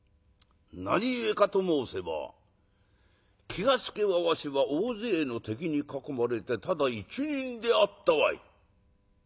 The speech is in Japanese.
「何故かと申せば気が付けばわしは大勢の敵に囲まれてただ一人であったわい。